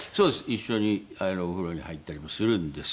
一緒にお風呂に入ったりもするんですよ。